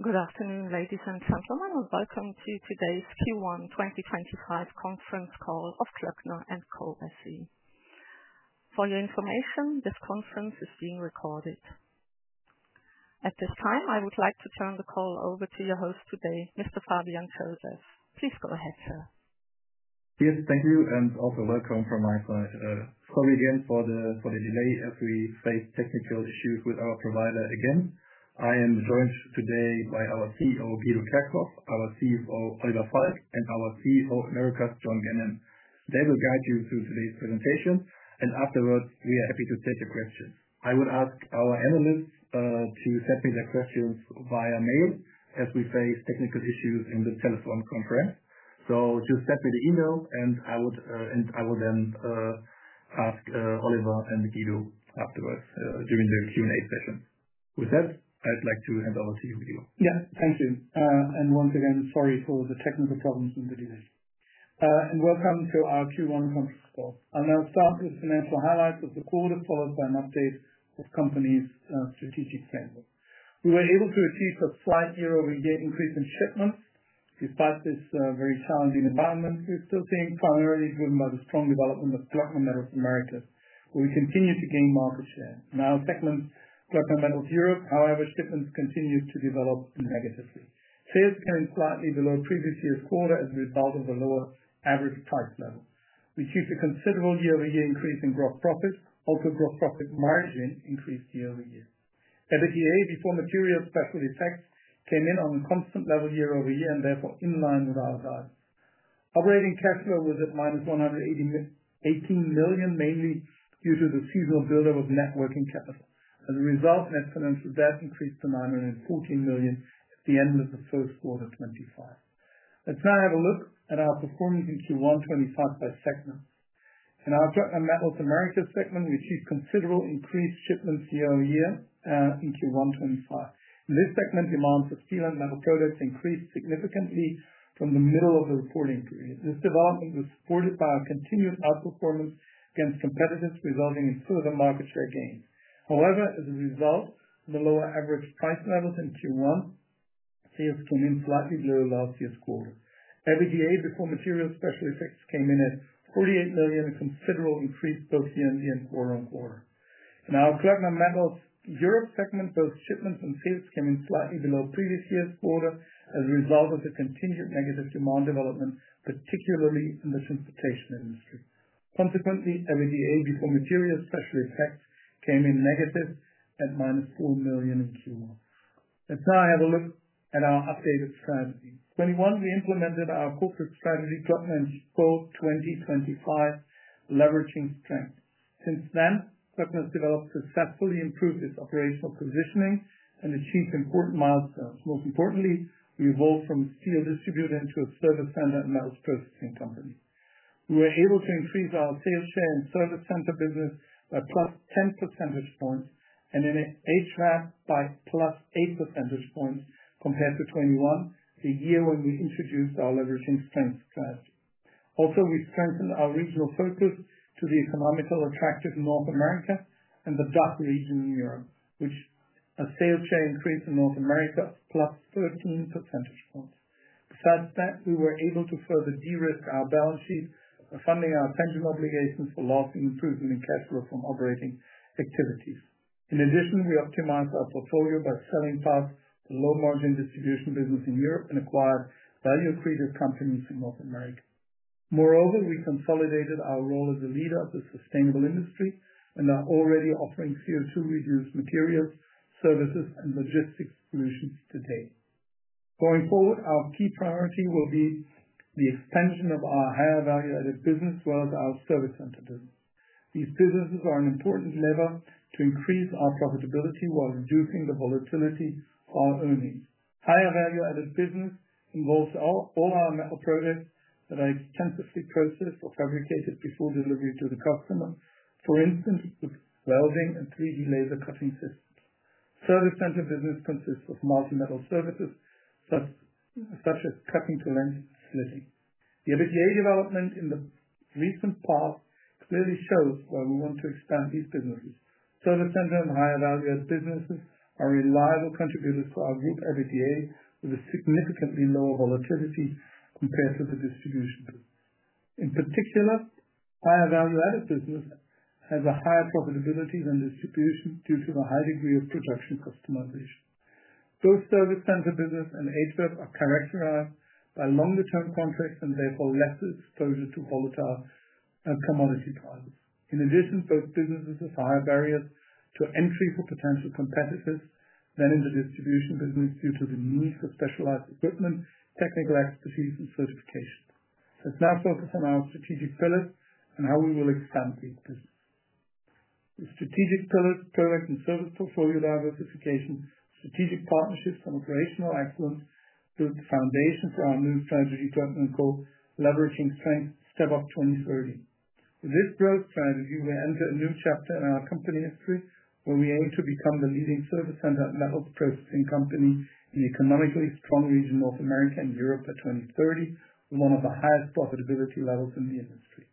Good afternoon, ladies, and gentlemen, and welcome to today's Q1 2025 Conference Call of Klöckner & Co SE. For your information, this conference is being recorded. At this time, I would like to turn the call over to your host today, Mr. Fabian Joseph. Please go ahead, sir. Yes, thank you, and also welcome from my side. Sorry again for the delay as we face technical issues with our provider again. I am joined today by our CEO, Guido Kerkhoff, our CFO, Oliver Falk, and our CEO, Americas, John Ganem. They will guide you through today's presentation, and afterwards, we are happy to take your questions. I would ask our analysts to send me their questions via mail as we face technical issues in the telephone conference. Just send me the email, and I will then ask Oliver and Guido afterwards during the Q&A session. With that, I'd like to hand over to you, Guido. Yeah, thank you. Once again, sorry for the technical problems and the delay. Welcome to our Q1 conference call. I'll now start with financial highlights of the quarter, followed by an update of the company's strategic framework. We were able to achieve a slight year-over-year increase in shipments. Despite this very challenging environment, we're still seeing, primarily driven by the strong development of Klöckner Metals Americas, where we continue to gain market share. In our segment, Klöckner Metals Europe, however, shipments continue to develop negatively. Sales came in slightly below previous year's quarter as a result of the lower average price level. We see a considerable year-over-year increase in gross profits. Also, gross profit margin increased year-over-year. EBITDA, before material special effects, came in on a constant level year-over-year and therefore in line with our guidance. Operating cash flow was at minus 118 million, mainly due to the seasonal buildup of net working capital. As a result, net financial debt increased to 914 million at the end of the first quarter 2025. Let's now have a look at our performance in Q1 2025 by segment. In our Klöckner Metals Americas segment, we achieved considerably increased shipments year-over-year in Q1 2025. This segment's demand for steel and metal products increased significantly from the middle of the reporting period. This development was supported by our continued outperformance against competitors, resulting in further market share gains. However, as a result of the lower average price levels in Q1, sales came in slightly below last year's quarter. EBITDA, before material special effects, came in at 48 million, a considerable increase both year-on-year and quarter-on-quarter. In our Klöckner Metals Europe segment, both shipments and sales came in slightly below previous year's quarter as a result of the continued negative demand development, particularly in the transportation industry. Consequently, EBITDA, before material special effects, came in negative at minus 4 million in Q1. Let's now have a look at our updated strategy. In 2021, we implemented our corporate strategy, Klöckner & Co 2025, leveraging strength. Since then, Klöckner has developed successfully, improved its operational positioning, and achieved important milestones. Most importantly, we evolved from a steel distributor into a service center and metals processing company. We were able to increase our sales share in service center business by plus 10% points and in HVAC by +8% points compared to 2021, the year when we introduced our leveraging strength strategy. Also, we strengthened our regional focus to the economically attractive North America and the DACH region in Europe, with a sales share increase in North America of plus 13% points. Besides that, we were able to further de-risk our balance sheet by funding our pension obligations for loss and improvement in cash flow from operating activities. In addition, we optimized our portfolio by selling parts of the low-margin distribution business in Europe and acquired value-creative companies in North America. Moreover, we consolidated our role as a leader of the sustainable industry and are already offering CO2-reduced materials, services, and logistics solutions today. Going forward, our key priority will be the expansion of our higher value-added business as well as our service center business. These businesses are an important lever to increase our profitability while reducing the volatility of our earnings. Higher value-added business involves all our metal products that are extensively processed or fabricated before delivery to the customer, for instance, with welding and 3D laser cutting systems. Service center business consists of multi-metal services such as cutting to length and slitting. The EBITDA development in the recent past clearly shows where we want to expand these businesses. Service center and higher value-added businesses are reliable contributors to our group EBITDA with a significantly lower volatility compared to the distribution business. In particular, higher value-added business has a higher profitability than distribution due to the high degree of production customization. Both service center business and higher value-added business are characterized by longer-term contracts and therefore less exposure to volatile commodity prices. In addition, both businesses have higher barriers to entry for potential competitors than in the distribution business due to the need for specialized equipment, technical expertise, and certifications. Let's now focus on our strategic pillars and how we will expand these businesses. The strategic pillars, product and service portfolio diversification, strategic partnerships, and operational excellence built the foundation for our new strategy, Klöckner & Co, Leveraging Strength, Step Up 2030. With this growth strategy, we enter a new chapter in our company history where we aim to become the leading service center and metals processing company in the economically strong region of North America and Europe by 2030, with one of the highest profitability levels in the industry.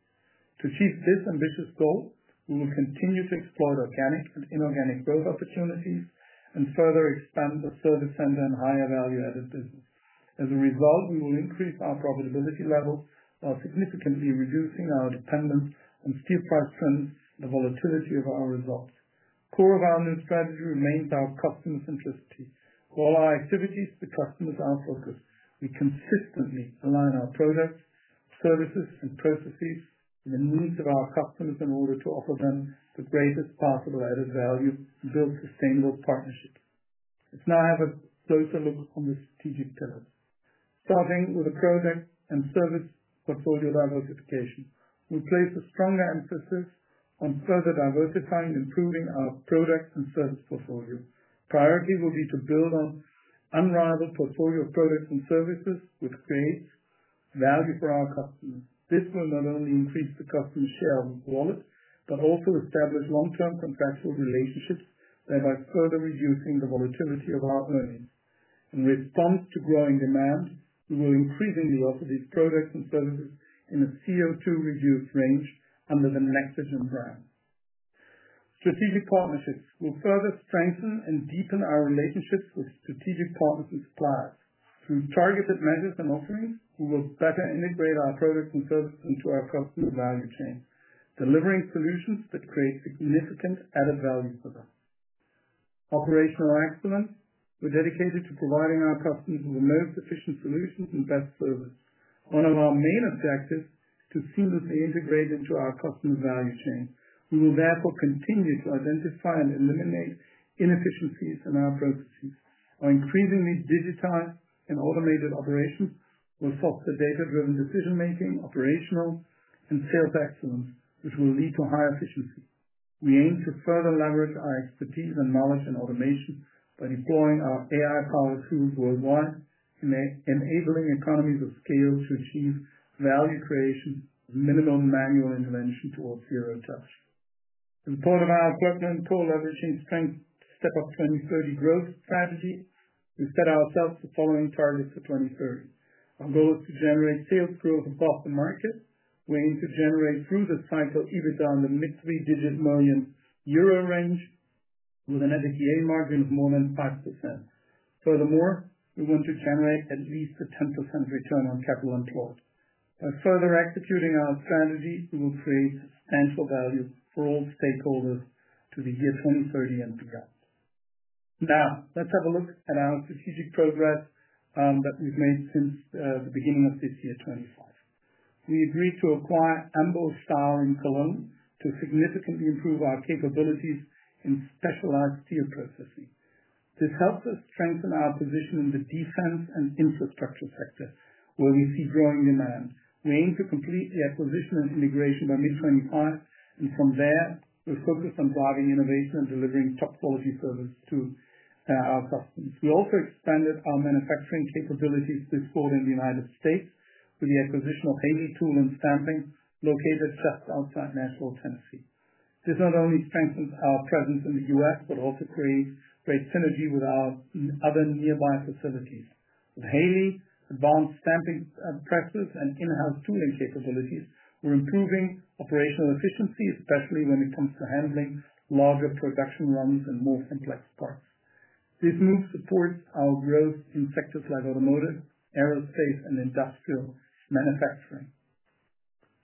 To achieve this ambitious goal, we will continue to exploit organic and inorganic growth opportunities and further expand the service center and higher value-added business. As a result, we will increase our profitability levels while significantly reducing our dependence on steel price trends and the volatility of our results. Core of our new strategy remains our customer centricity. For all our activities, the customer is our focus. We consistently align our products, services, and processes to the needs of our customers in order to offer them the greatest possible added value and build sustainable partnerships. Let's now have a closer look on the strategic pillars. Starting with the product and service portfolio diversification, we place a stronger emphasis on further diversifying and improving our product and service portfolio. Priority will be to build on unrivaled portfolio products and services which create value for our customers. This will not only increase the customer share of the wallet but also establish long-term contractual relationships, thereby further reducing the volatility of our earnings. In response to growing demand, we will increasingly offer these products and services in a CO2-reduced range under the Nexogen brand. Strategic partnerships will further strengthen and deepen our relationships with strategic partners and suppliers. Through targeted measures and offerings, we will better integrate our products and services into our customer value chain, delivering solutions that create significant added value for them. Operational excellence, we're dedicated to providing our customers with the most efficient solutions and best service. One of our main objectives is to seamlessly integrate into our customer value chain. We will therefore continue to identify and eliminate inefficiencies in our processes. Our increasingly digitized and automated operations will foster data-driven decision-making, operational, and sales excellence, which will lead to high efficiency. We aim to further leverage our expertise and knowledge in automation by deploying our AI-powered tools worldwide and enabling economies of scale to achieve value creation with minimal manual intervention towards zero touch. As part of our Klöckner & Co Leveraging Strength, Step Up 2030 growth strategy, we set ourselves the following targets for 2030. Our goal is to generate sales growth across the market. We aim to generate through the cycle EBITDA in the mid-three-digit million euro range with an EBITDA margin of more than 5%. Furthermore, we want to generate at least a 10% return on capital employed. By further executing our strategy, we will create substantial value for all stakeholders to the year 2030 and beyond. Now, let's have a look at our strategic progress that we've made since the beginning of this year 2025. We agreed to acquire Ambo Steel in Cologne to significantly improve our capabilities in specialized steel processing. This helps us strengthen our position in the defense and infrastructure sector, where we see growing demand. We aim to complete the acquisition and integration by mid-2025, and from there, we're focused on driving innovation and delivering top-quality service to our customers. We also expanded our manufacturing capabilities this quarter in the U.S. with the acquisition of Haley Tool and Stamping, located just outside Nashville, Tennessee. This not only strengthens our presence in the U.S. but also creates great synergy with our other nearby facilities. With Haley, advanced stamping presses and in-house tooling capabilities, we're improving operational efficiency, especially when it comes to handling larger production runs and more complex parts. This move supports our growth in sectors like automotive, aerospace, and industrial manufacturing.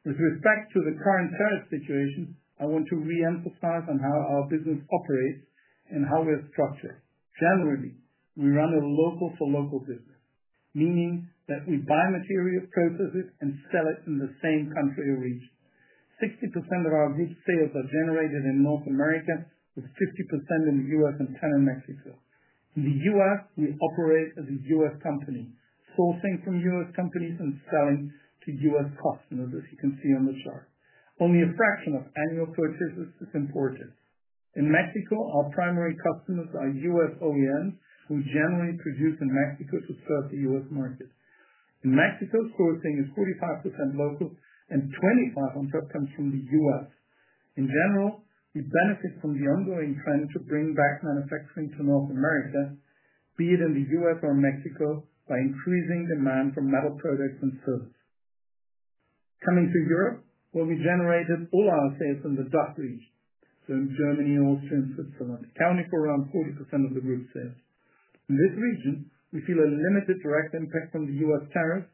With respect to the current tariff situation, I want to re-emphasize on how our business operates and how we're structured. Generally, we run a local-for-local business, meaning that we buy material, process it, and sell it in the same country or region. 60% of our group sales are generated in North America, with 50% in the U.S. and the rest in the field. In the U.S., we operate as a U.S. company, sourcing from U.S. companies and selling to U.S. customers, as you can see on the chart. Only a fraction of annual purchases is imported. In Mexico, our primary customers are U.S. OEMs, who generally produce in Mexico to serve the U.S. market. In Mexico, sourcing is 45% local and 25% comes from the U.S. In general, we benefit from the ongoing trend to bring back manufacturing to North America, be it in the U.S. or in Mexico, by increasing demand for metal products and services. Coming to Europe, where we generated all our sales in the DACH region, so in Germany, Austria, and Switzerland, accounting for around 40% of the group sales. In this region, we feel a limited direct impact from the U.S. tariffs,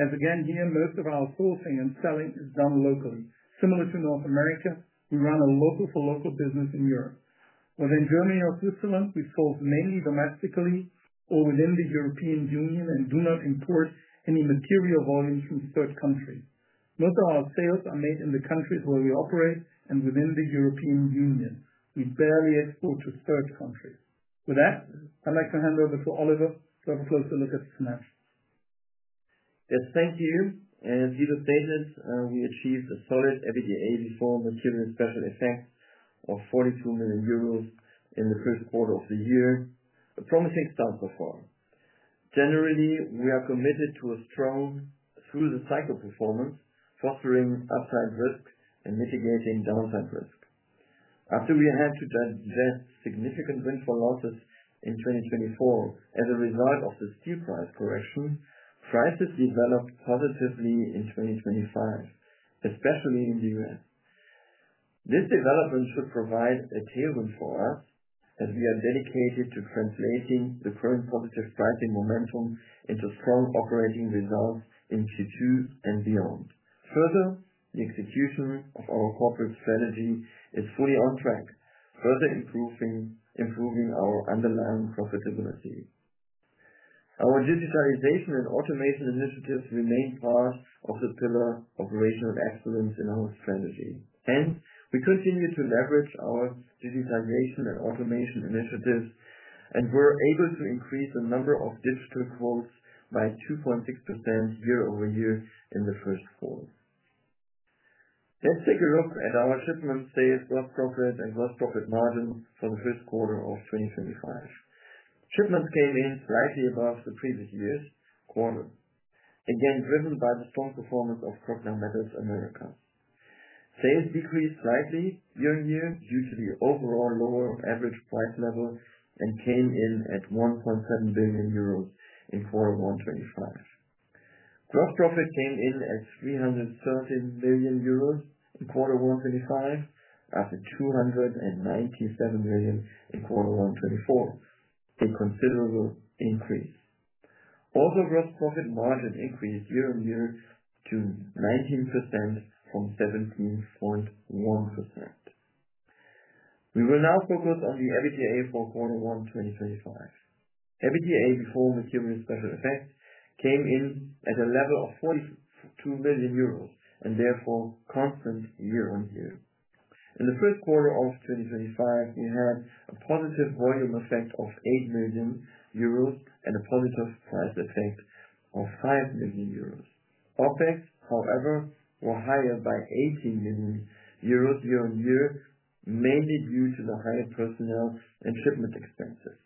as again here, most of our sourcing and selling is done locally. Similar to North America, we run a local-for-local business in Europe. Whether in Germany or Switzerland, we source mainly domestically or within the European Union and do not import any material volumes from third countries. Most of our sales are made in the countries where we operate and within the European Union. We barely export to third countries. With that, I'd like to hand over to Oliver to have a closer look at the financials. Yes, thank you. As Guido stated, we achieved a solid EBITDA before material special effects of 42 million euros in the first quarter of the year, a promising start so far. Generally, we are committed to a strong through-the-cycle performance, fostering upside risk and mitigating downside risk. After we had to digest significant windfall losses in 2024 as a result of the steel price correction, prices developed positively in 2025, especially in the U.S. This development should provide a tailwind for us as we are dedicated to translating the current positive pricing momentum into strong operating results in Q2 and beyond. Further, the execution of our corporate strategy is fully on track, further improving our underlying profitability. Our digitalization and automation initiatives remain part of the pillar operational excellence in our strategy. Hence, we continue to leverage our digitalization and automation initiatives and were able to increase the number of digital calls by 2.6% year-over-year in the first quarter. Let's take a look at our shipment sales, gross profit, and gross profit margin for the first quarter of 2025. Shipments came in slightly above the previous year's quarter, again driven by the strong performance of Klöckner Metals Americas. Sales decreased slightly year-on-year due to the overall lower average price level and came in at 1.7 billion euros in quarter 125. Gross profit came in at 313 million euros in quarter 125 after 297 million in quarter 124, a considerable increase. Also, gross profit margin increased year-on-year to 19% from 17.1%. We will now focus on the EBITDA for quarter 125. EBITDA before material special effects came in at a level of 42 million euros and therefore constant year-on-year. In the first quarter of 2025, we had a positive volume effect of 8 million euros and a positive price effect of 5 million euros. OpEx, however, were higher by 18 million euros year-on-year, mainly due to the higher personnel and shipment expenses.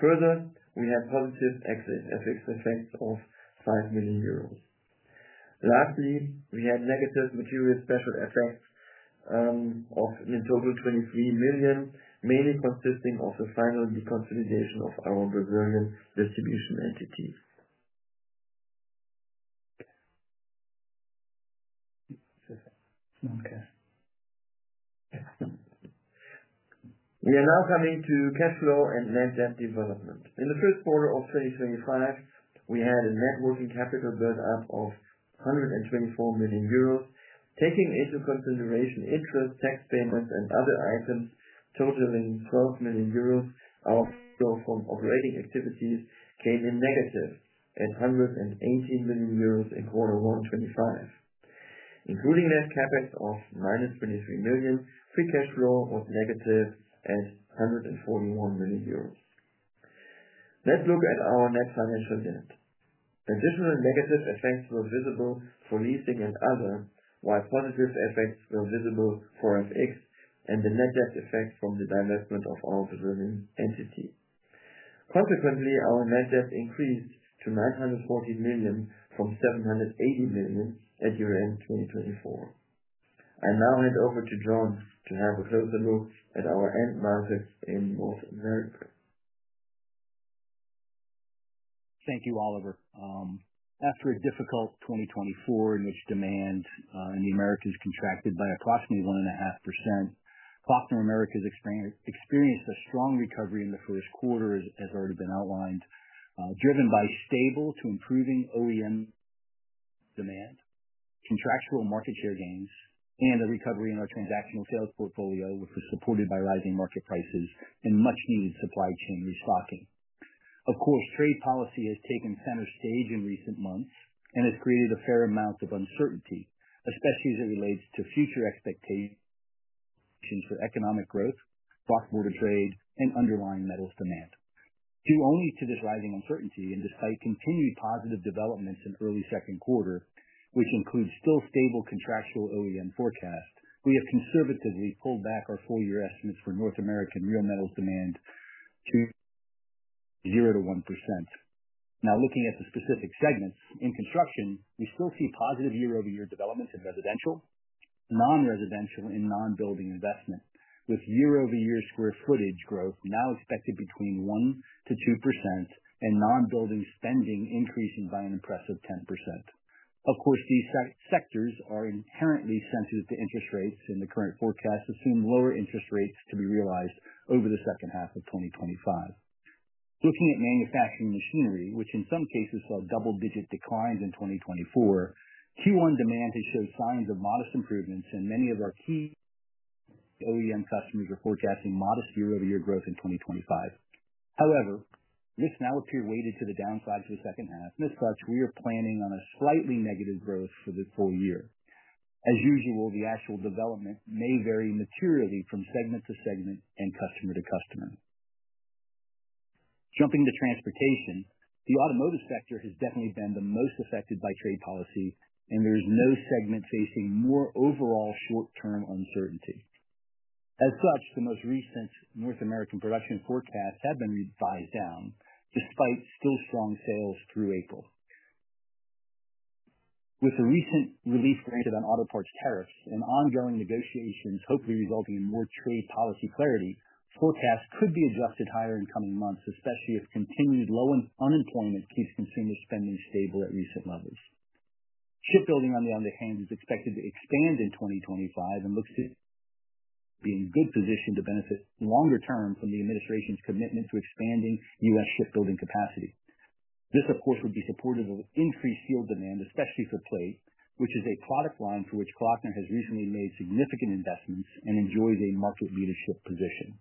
Further, we had positive excess effects of 5 million euros. Lastly, we had negative material special effects of in total 23 million, mainly consisting of the final deconsolidation of our Brazilian distribution entity. We are now coming to cash flow and net debt development. In the first quarter of 2025, we had a net working capital build-up of 124 million euros. Taking into consideration interest, tax payments, and other items totaling 12 million euros, our flow from operating activities came in negative at 118 million euros in quarter 125. Including net CapEx of minus 23 million, free cash flow was negative at 141 million euros. Let's look at our net financial debt. Additional negative effects were visible for leasing and other, while positive effects were visible for FX and the net debt effect from the divestment of our Brazilian entity. Consequently, our net debt increased to 940 million from 780 million at year end 2024. I now hand over to John to have a closer look at our end market in North America. Thank you, Oliver. After a difficult 2024 in which demand in the Americas contracted by approximately 1.5%, Klöckner & Co experienced a strong recovery in the first quarter, as already been outlined, driven by stable to improving OEM demand, contractual market share gains, and a recovery in our transactional sales portfolio, which was supported by rising market prices and much-needed supply chain restocking. Of course, trade policy has taken center stage in recent months and has created a fair amount of uncertainty, especially as it relates to future expectations for economic growth, cross-border trade, and underlying metals demand. Due only to this rising uncertainty and despite continued positive developments in early second quarter, which includes still stable contractual OEM forecasts, we have conservatively pulled back our full-year estimates for North American real metals demand to 0-1%. Now, looking at the specific segments, in construction, we still see positive year-over-year development in residential, non-residential, and non-building investment, with year-over-year square footage growth now expected between 1-2% and non-building spending increasing by an impressive 10%. Of course, these sectors are inherently sensitive to interest rates, and the current forecasts assume lower interest rates to be realized over the second half of 2025. Looking at manufacturing machinery, which in some cases saw double-digit declines in 2024, Q1 demand has showed signs of modest improvements, and many of our key OEM customers are forecasting modest year-over-year growth in 2025. However, risks now appear weighted to the downside for the second half. As such, we are planning on a slightly negative growth for the full year. As usual, the actual development may vary materially from segment to segment and customer to customer. Jumping to transportation, the automotive sector has definitely been the most affected by trade policy, and there is no segment facing more overall short-term uncertainty. As such, the most recent North American production forecasts have been revised down, despite still strong sales through April. With the recent relief granted on auto parts tariffs and ongoing negotiations hopefully resulting in more trade policy clarity, forecasts could be adjusted higher in coming months, especially if continued low unemployment keeps consumer spending stable at recent levels. Shipbuilding, on the other hand, is expected to expand in 2025 and looks to be in good position to benefit longer term from the administration's commitment to expanding U.S. shipbuilding capacity. This, of course, would be supportive of increased steel demand, especially for plate, which is a product line for which Klöckner has recently made significant investments and enjoys a market leadership position.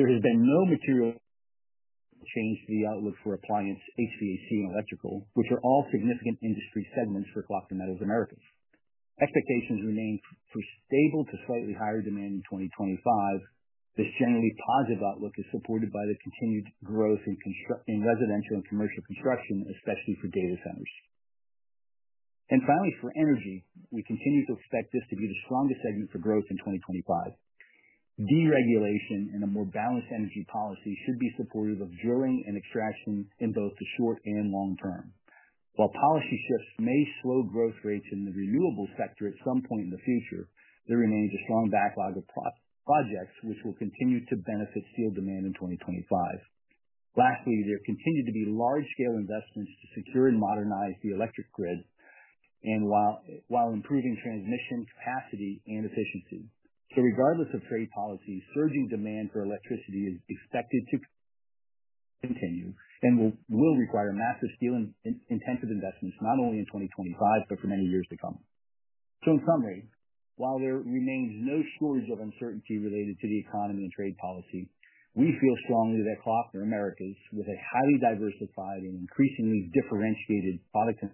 There has been no material change to the outlook for appliance, HVAC, and electrical, which are all significant industry segments for Klöckner Metals Americas. Expectations remain for stable to slightly higher demand in 2025. This generally positive outlook is supported by the continued growth in residential and commercial construction, especially for data centers. Finally, for energy, we continue to expect this to be the strongest segment for growth in 2025. Deregulation and a more balanced energy policy should be supportive of drilling and extraction in both the short and long term. While policy shifts may slow growth rates in the renewables sector at some point in the future, there remains a strong backlog of projects which will continue to benefit steel demand in 2025. Lastly, there continue to be large-scale investments to secure and modernize the electric grid and while improving transmission capacity and efficiency. Regardless of trade policy, surging demand for electricity is expected to continue and will require massive steel intensive investments not only in 2025 but for many years to come. In summary, while there remains no shortage of uncertainty related to the economy and trade policy, we feel strongly that Klöckner & Co, with a highly diversified and increasingly differentiated product and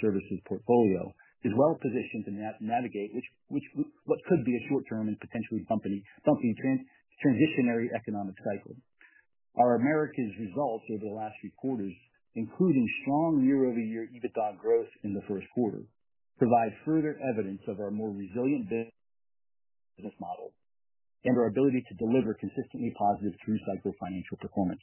services portfolio, is well positioned to navigate what could be a short-term and potentially bumpy transitionary economic cycle. Our Americas results over the last three quarters, including strong year-over-year EBITDA growth in the first quarter, provide further evidence of our more resilient business model and our ability to deliver consistently positive through-cycle financial performance.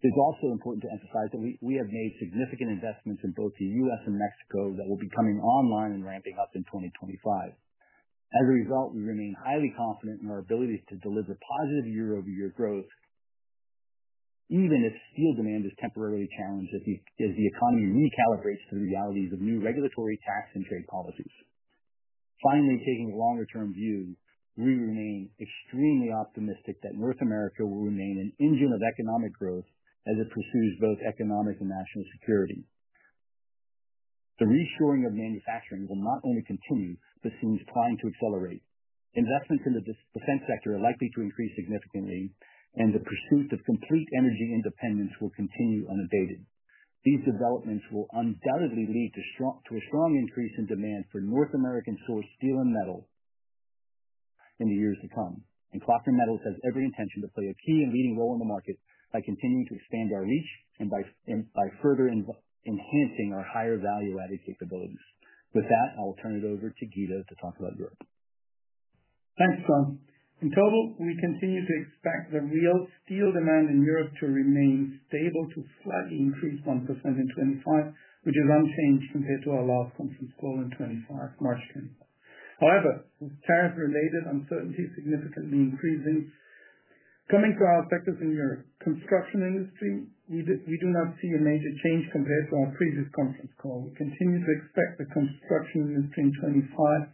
It is also important to emphasize that we have made significant investments in both the U.S. and Mexico that will be coming online and ramping up in 2025. As a result, we remain highly confident in our ability to deliver positive year-over-year growth, even if steel demand is temporarily challenged as the economy recalibrates to the realities of new regulatory tax and trade policies. Finally, taking a longer-term view, we remain extremely optimistic that North America will remain an engine of economic growth as it pursues both economic and national security. The reshoring of manufacturing will not only continue but seems primed to accelerate. Investments in the defense sector are likely to increase significantly, and the pursuit of complete energy independence will continue unabated. These developments will undoubtedly lead to a strong increase in demand for North American-sourced steel and metal in the years to come. Klöckner & Co has every intention to play a key and leading role in the market by continuing to expand our reach and by further enhancing our higher value-added capabilities. With that, I'll turn it over to Guido to talk about Europe. Thanks, John. In total, we continue to expect the real steel demand in Europe to remain stable to slightly increased 1% in 2025, which is unchanged compared to our last conference call in 2025, March 2025. However, with tariff-related uncertainty significantly increasing, coming to our sectors in Europe, construction industry, we do not see a major change compared to our previous conference call. We continue to expect the construction industry in 2025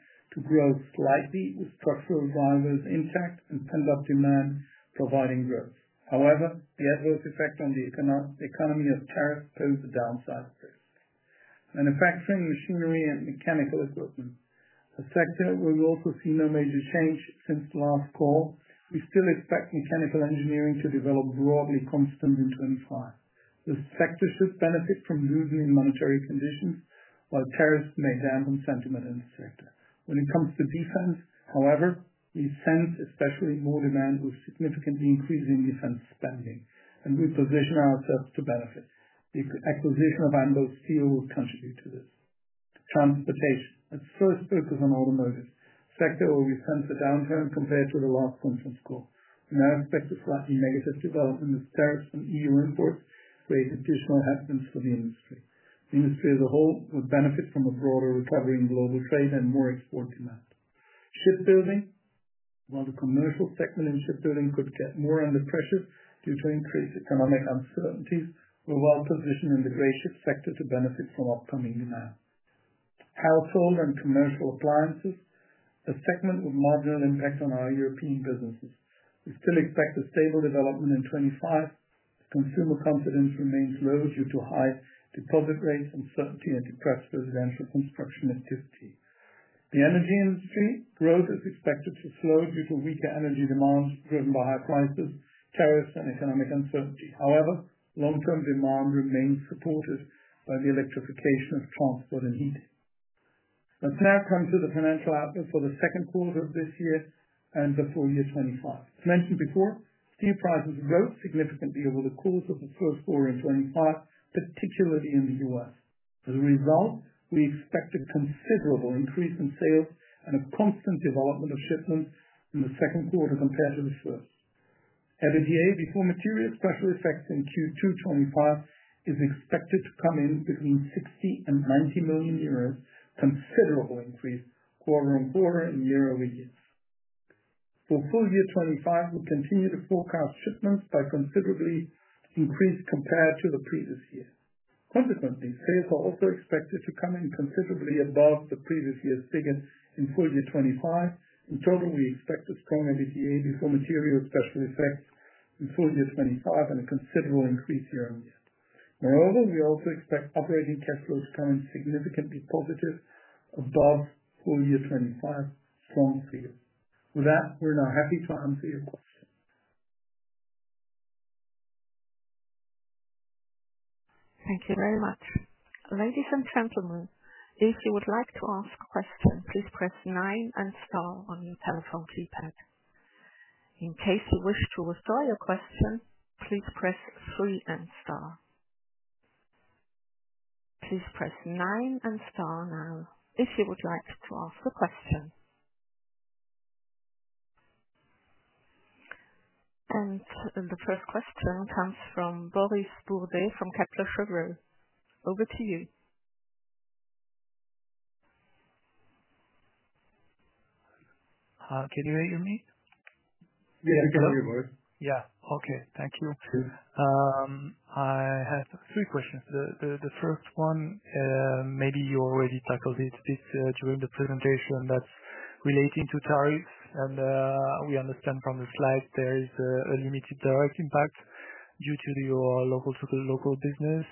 When it comes to defense, however, we sense especially more demand with significantly increasing defense spending, and we position ourselves to benefit. The acquisition of Ambo Steel will contribute to this. Transportation, a first focus on automotive sector, where we sense a downturn compared to the last conference call. We now expect a slightly negative development as tariffs on EU imports create additional headwinds for the industry. The industry as a whole would benefit from a broader recovery in global trade and more export demand. Shipbuilding, while the commercial segment in shipbuilding could get more under pressure due to increased economic uncertainties, we're well positioned in the gray ship sector to benefit from upcoming demand. Household and commercial appliances, a segment with marginal impact on our European businesses. We still expect a stable development in 2025. Consumer confidence remains low due to high deposit rates, uncertainty, and depressed residential construction activity. The energy industry growth is expected to slow due to weaker energy demands driven by high prices, tariffs, and economic uncertainty. However, long-term demand remains supported by the electrification of transport and heating. Let's now come to the financial outlook for the second quarter of this year and the full year 2025. As mentioned before, steel prices rose significantly over the course of the first quarter in 2025, particularly in the U.S. As a result, we expect a considerable increase in sales and a constant development of shipments in the second quarter compared to the first. EBITDA, before material special effects in Q2 2025, is expected to come in between 60 million-90 million euros, a considerable increase quarter-on-quarter and year-over-year. For full year 2025, we continue to forecast shipments be considerably increased compared to the previous year. Consequently, sales are also expected to come in considerably above the previous year's figure in full year 2025. In total, we expect a strong EBITDA before material special effects in full year 2025 and a considerable increase year-on-year. Moreover, we also expect operating cash flow to come in significantly positive above full year 2025, a strong figure. With that, we are now happy to answer your question. Thank you very much. Ladies, and gentlemen, if you would like to ask a question, please press nine and star on your telephone keypad. In case you wish to withdraw your question, please press three and star. Please press nine and star now if you would like to ask a question. The first question comes from Boris Bourdais from Kepler Cheuvreux. Over to you. Can you hear me? Yes, I can hear you, Boris. Yeah. Okay. Thank you. I have three questions. The first one, maybe you already tackled it a bit during the presentation, that's relating to tariffs. We understand from the slide there is a limited direct impact due to your local business.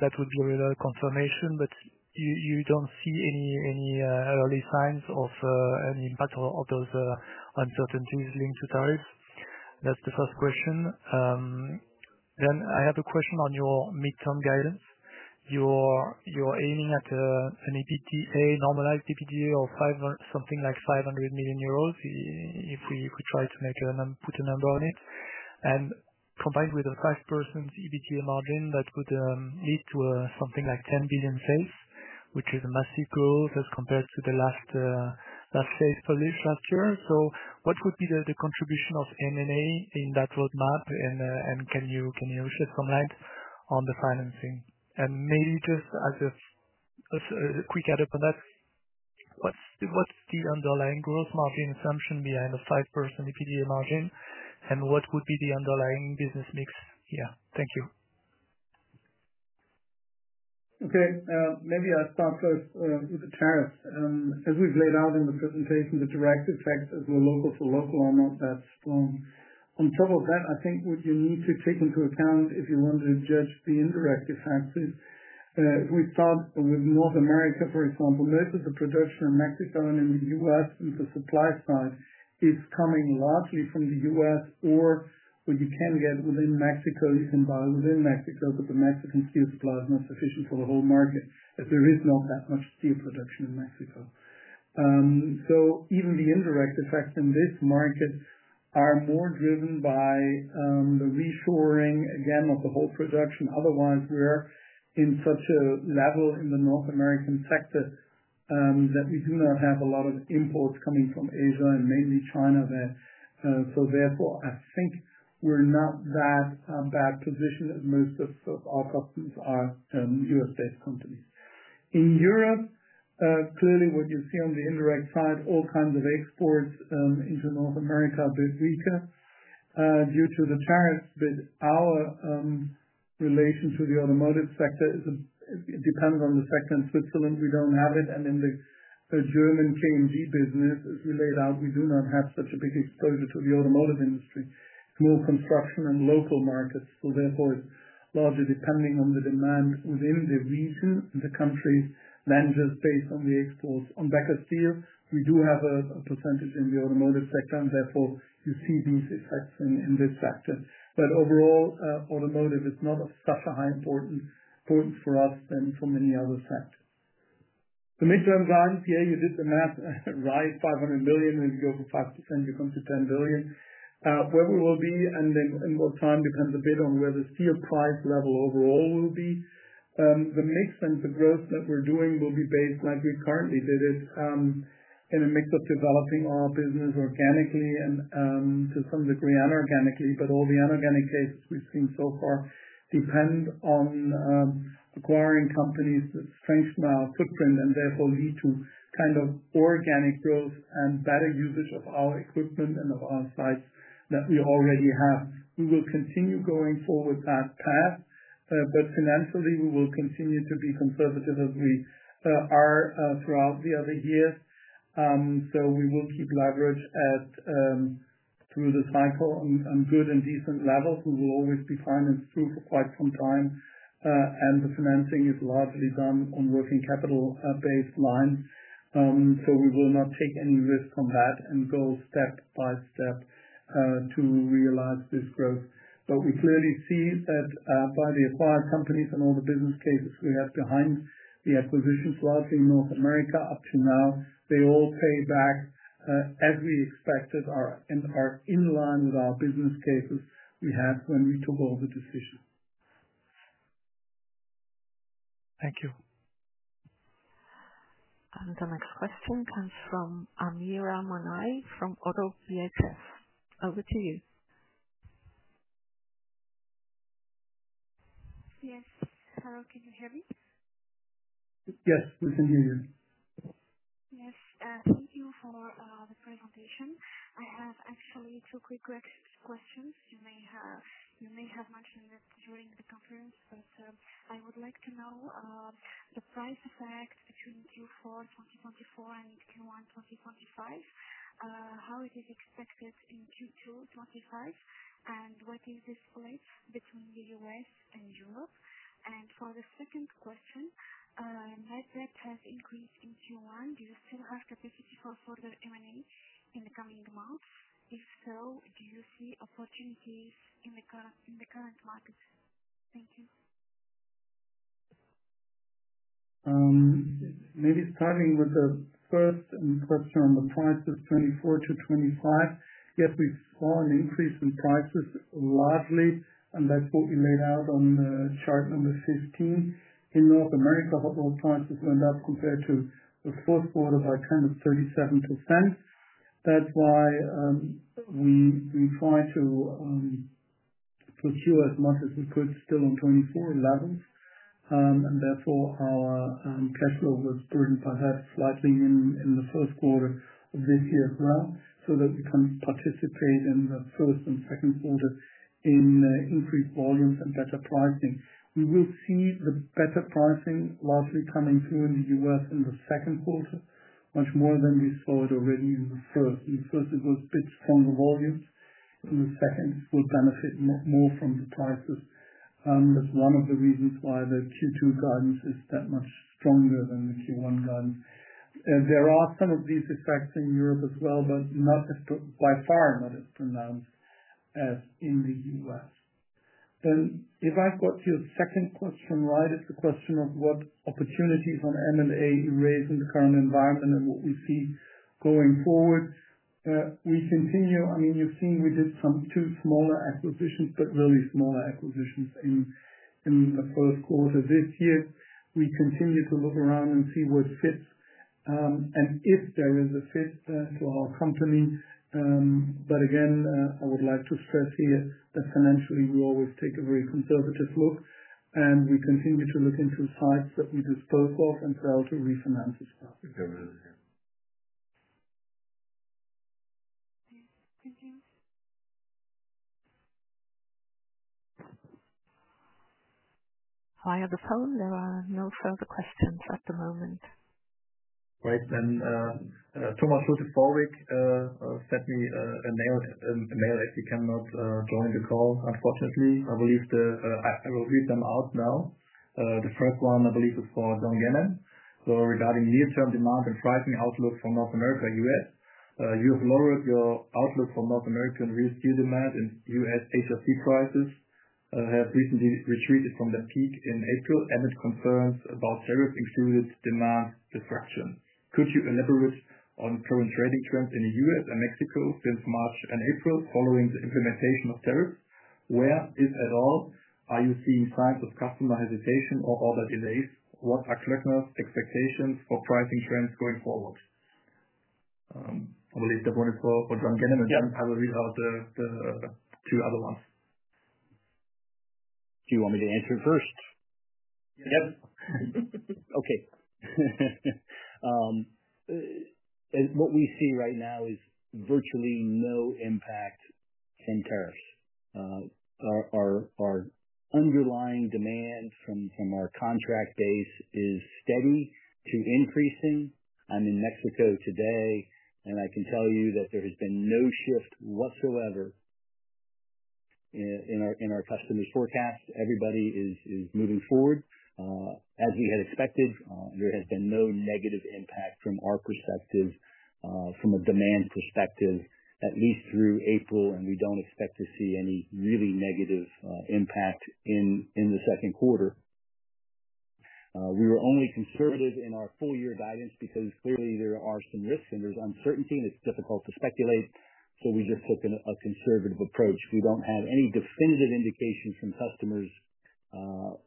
That would be a real confirmation, but you don't see any early signs of any impact of those uncertainties linked to tariffs. That's the first question. I have a question on your midterm guidance. You're aiming at an EBITDA, normalized EBITDA of something like 500 million euros, if we try to put a number on it. Combined with a 5% EBITDA margin, that would lead to something like 10 billion sales, which is a massive growth as compared to the last sales published last year. What would be the contribution of M&A in that roadmap, and can you shed some light on the financing? Maybe just as a quick add-up on that, what's the underlying gross margin assumption behind a 5% EBITDA margin, and what would be the underlying business mix here? Thank you. Okay. Maybe I'll start first with the tariffs. As we've laid out in the presentation, the direct effects are local to local are not that strong. On top of that, I think what you need to take into account if you want to judge the indirect effects is if we start with North America, for example, most of the production in Mexico and in the U.S. and the supply side is coming largely from the U.S., or what you can get within Mexico, you can buy within Mexico, but the Mexican steel supply is not sufficient for the whole market as there is not that much steel production in Mexico. Even the indirect effects in this market are more driven by the reshoring, again, of the whole production. Otherwise, we're in such a level in the North American sector that we do not have a lot of imports coming from Asia and mainly China there. Therefore, I think we're not that bad positioned as most of our customers are U.S.-based companies. In Europe, clearly what you see on the indirect side, all kinds of exports into North America a bit weaker due to the tariffs, but our relation to the automotive sector depends on the sector in Switzerland. We do not have it. In the German KMG business, as we laid out, we do not have such a big exposure to the automotive industry. It is more construction and local markets. Therefore, it is largely depending on the demand within the region and the countries than just based on the exports. On Becker Steel, we do have a percentage in the automotive sector, and therefore, you see these effects in this sector. Overall, automotive is not of such a high importance for us than for many other sectors. The midterm guidance here, you did the math right, 500 million. When you go for 5%, you come to 10 billion. Where we will be and in what time depends a bit on where the steel price level overall will be. The mix and the growth that we're doing will be based, like we currently did it, in a mix of developing our business organically and to some degree anorganically. All the anorganic cases we've seen so far depend on acquiring companies that strengthen our footprint and therefore lead to kind of organic growth and better usage of our equipment and of our sites that we already have. We will continue going forward that path. Financially, we will continue to be conservative as we are throughout the other years. We will keep leverage through the cycle on good and decent levels. We will always be financed through for quite some time, and the financing is largely done on working capital-based lines. We will not take any risk on that and go step by step to realize this growth. We clearly see that by the acquired companies and all the business cases we have behind the acquisitions, largely in North America up to now, they all pay back as we expected and are in line with our business cases we had when we took all the decisions. Thank you. The next question comes from Amira Manai from Oddo BHF. Over to you. Yes. Hello. Can you hear me? Yes, we can hear you. Yes. Thank you for the presentation. I have actually two quick questions. You may have mentioned it during the conference, but I would like to know the price effect between Q4 2024 and Q1 2025, how it is expected in Q2 2025, and what is the split between the US and Europe. For the second question, net debt has increased in Q1. Do you still have capacity for further M&A in the coming months? If so, do you see opportunities in the current market? Thank you. Maybe starting with the first question on the prices 2024-2025. Yes, we saw an increase in prices largely, and that is what we laid out on chart number 15. In North America, hot rolled prices went up compared to the fourth quarter by kind of 37%. That is why we tried to procure as much as we could still on 2024 levels. Therefore, our cash flow was burdened by that slightly in the first quarter of this year as well so that we can participate in the first and second quarter in increased volumes and better pricing. We will see the better pricing largely coming through in the U.S. in the second quarter, much more than we saw it already in the first. In the first, it was a bit stronger volumes. In the second, it will benefit more from the prices. That is one of the reasons why the Q2 guidance is that much stronger than the Q1 guidance. There are some of these effects in Europe as well, but by far not as pronounced as in the U.S. If I have got your second question right, it is a question of what opportunities on M&A raise in the current environment and what we see going forward. We continue. I mean, you have seen we did two smaller acquisitions, but really smaller acquisitions in the first quarter this year. We continue to look around and see what fits and if there is a fit to our company. Again, I would like to stress here that financially, we always take a very conservative look, and we continue to look into sites that we dispose of and fail to refinance as well. Thank you. Hi, on the phone. There are no further questions at the moment. Great. Thomas Röttele-Förwick sent me a mail as he cannot join the call, unfortunately. I believe I will read them out now. The first one, I believe, is for John Ganem. Regarding near-term demand and pricing outlook for North America U.S., you have lowered your outlook for North American real steel demand and U.S. HRC prices have recently retreated from the peak in April, and it concerns about tariff-excluded demand disruption. Could you elaborate on current trading trends in the U.S. and Mexico since March and April following the implementation of tariffs? Where, if at all, are you seeing signs of customer hesitation or other delays? What are Klöckner's expectations for pricing trends going forward? I believe that one is for John Ganem, and then I will read out the two other ones. Do you want me to answer it first? Yep. Okay. What we see right now is virtually no impact from tariffs. Our underlying demand from our contract base is steady to increasing. I'm in Mexico today, and I can tell you that there has been no shift whatsoever in our customers' forecast. Everybody is moving forward as we had expected. There has been no negative impact from our perspective, from a demand perspective, at least through April, and we do not expect to see any really negative impact in the second quarter. We were only conservative in our full year guidance because clearly there are some risks and there is uncertainty, and it is difficult to speculate. We just took a conservative approach. We do not have any definitive indications from customers or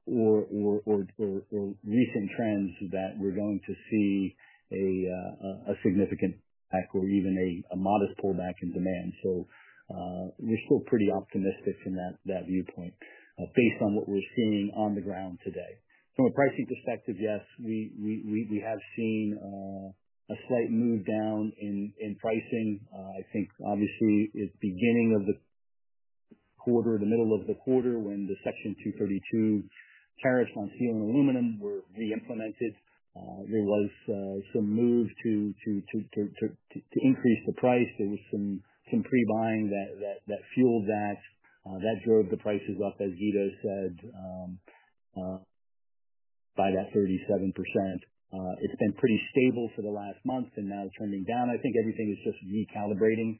recent trends that we are going to see a significant pullback or even a modest pullback in demand. We are still pretty optimistic from that viewpoint based on what we are seeing on the ground today. From a pricing perspective, yes, we have seen a slight move down in pricing. I think, obviously, at the beginning of the quarter, the middle of the quarter when the Section 232 tariffs on steel and aluminum were re-implemented, there was some move to increase the price. There was some pre-buying that fueled that. That drove the prices up, as Guido said, by that 37%. It has been pretty stable for the last month and now trending down. I think everything is just recalibrating.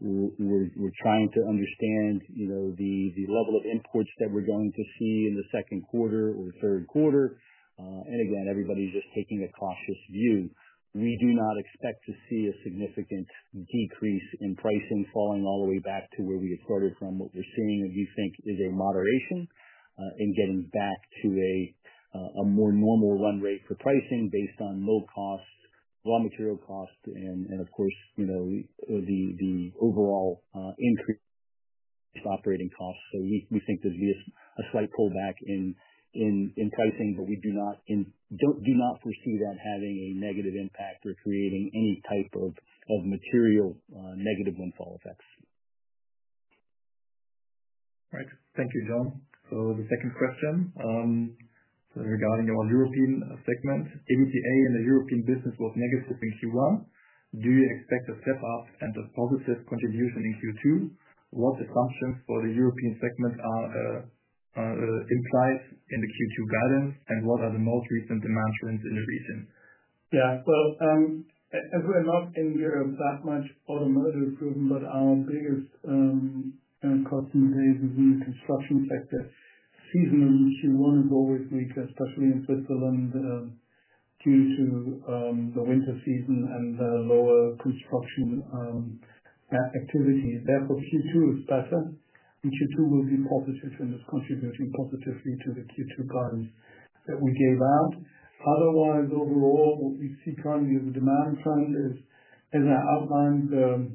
We're trying to understand the level of imports that we're going to see in the second quarter or third quarter. Again, everybody's just taking a cautious view. We do not expect to see a significant decrease in pricing falling all the way back to where we had started from. What we're seeing, we think, is a moderation in getting back to a more normal run rate for pricing based on low costs, raw material costs, and of course, the overall increased operating costs. We think there's been a slight pullback in pricing, but we do not foresee that having a negative impact or creating any type of material negative windfall effects. Right. Thank you, John. The second question. Regarding our European segment, EBITDA in the European business was negative in Q1. Do you expect a step up and a positive contribution in Q2? What assumptions for the European segment are implied in the Q2 guidance, and what are the most recent demand trends in the region? Yeah. As we're not in Europe that much automotive-driven, but our biggest customer base is in the construction sector. Seasonally, Q1 is always weaker, especially in Switzerland due to the winter season and lower construction activity. Therefore, Q2 is better, and Q2 will be positive and is contributing positively to the Q2 guidance that we gave out. Otherwise, overall, what we see currently is a demand trend is, as I outlined,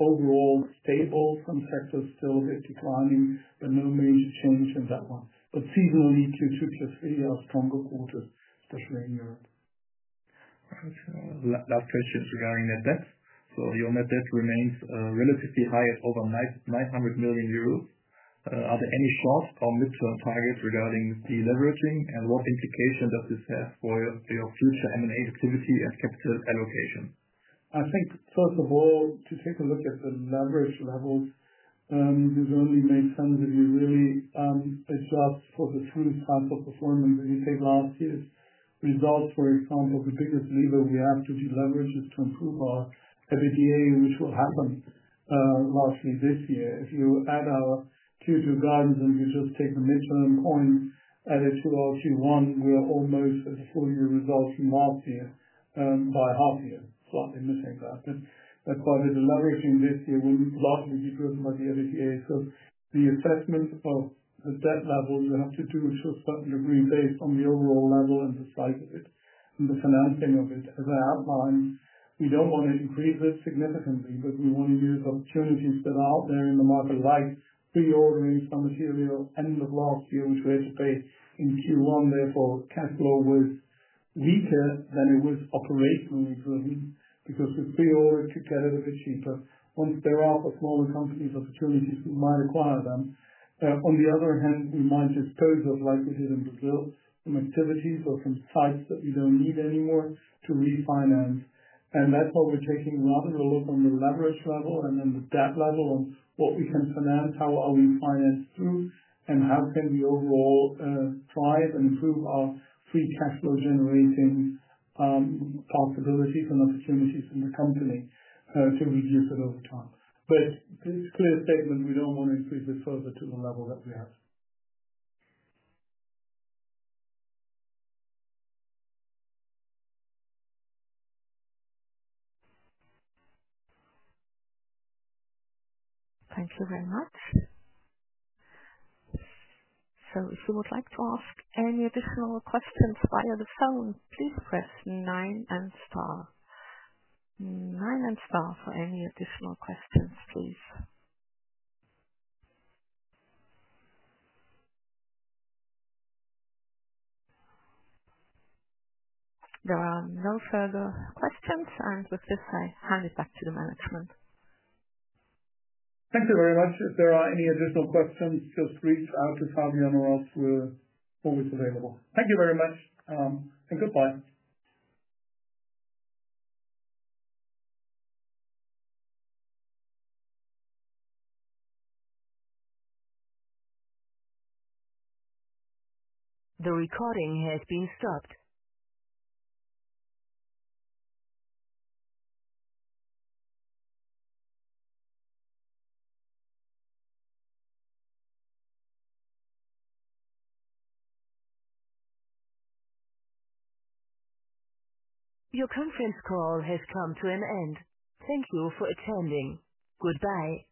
overall stable. Some sectors still a bit declining, but no major change in that one. Seasonally, Q2, Q3 are stronger quarters, especially in Europe. Right. Last question is regarding net debt. Your net debt remains relatively high at over 900 million euros. Are there any short or midterm targets regarding deleveraging, and what implication does this have for your future M&A activity and capital allocation? I think, first of all, to take a look at the leverage levels, this only makes sense if you really adjust for the true cycle performance that you take last year's results. For example, the biggest lever we have to deleverage is to improve our EBITDA, which will happen largely this year. If you add our Q2 guidance and you just take the midterm point added to our Q1, we're almost at the full year results from last year by half a year, slightly missing that. Quite a bit of leveraging this year will largely be driven by the EBITDA. The assessment of the debt levels you have to do to a certain degree based on the overall level and the size of it and the financing of it. As I outlined, we do not want to increase it significantly, but we want to use opportunities that are out there in the market, like pre-ordering some material end of last year, which we had to pay in Q1. Therefore, cash flow was weaker than it was operationally driven because we pre-ordered to get it a bit cheaper. Once there are for smaller companies opportunities, we might acquire them. On the other hand, we might dispose of, like we did in Brazil, some activities or some sites that we do not need anymore to refinance. That is why we are taking rather a look on the leverage level and then the debt level on what we can finance, how are we financed through, and how can we overall thrive and improve our free cash flow generating possibilities and opportunities in the company to reduce it over time. It is a clear statement. We do not want to increase it further to the level that we have. Thank you very much. If you would like to ask any additional questions via the phone, please press nine and star. Nine and star for any additional questions, please. There are no further questions, and with this, I hand it back to the management. Thank you very much. If there are any additional questions, just reach out to Fabian or us. We are always available. Thank you very much, and goodbye. The recording has been stopped. Your conference call has come to an end. Thank you for attending. Goodbye.